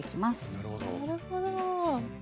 なるほど。